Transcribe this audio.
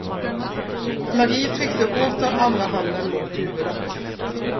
Mari tryckte åter andra handen mot huvudet.